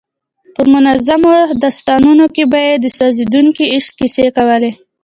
په منظومو داستانونو کې به یې د سوځېدونکي عشق کیسې کولې.